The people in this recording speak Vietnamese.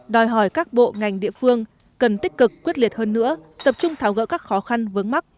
đòi hỏi các bộ ngành địa phương cần tích cực quyết liệt hơn nữa tập trung tháo gỡ các khó khăn vướng mắt